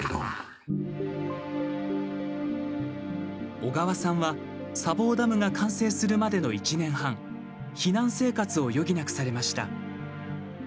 小川さんは砂防ダムが完成するまでの１年半避難生活を余儀なくされました。